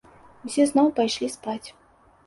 Усе зноў пайшлі спаць.